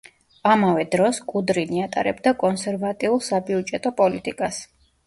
ამავე დროს, კუდრინი ატარებდა კონსერვატიულ საბიუჯეტო პოლიტიკას.